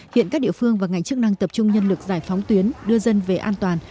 hiện các địa phương và ngành chức năng tập trung nhân lực giải phóng tuyến đưa dân về an toàn